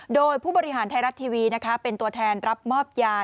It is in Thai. โดยผู้บริหารไทยรัฐทีวีเป็นตัวแทนรับมอบยา